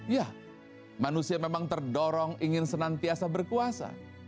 ya manusia memang terdorong ingin senantiasa berkuasa